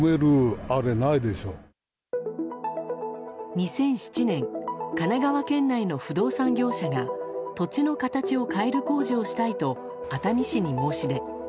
２００７年神奈川県内の不動産業者が土地の形を変える工事をしたいと熱海市に申し出。